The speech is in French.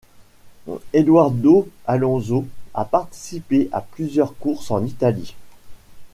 Eduardo Alonso a participé à plusieurs courses en Italie.